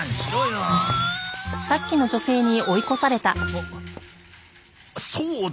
あっそうだ！